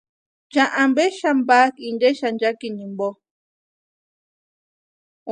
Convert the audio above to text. ¿Cha ampesï xáni pákʼi inte xanchakichani jimpo?